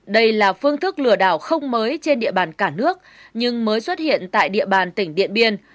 đây là phương thức lừa đảo không mới trên địa bàn cả nước nhưng mới xuất hiện tại địa bàn tỉnh điện biên